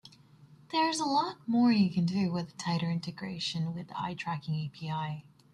There's a lot more you can do with a tighter integration with the eye tracking API.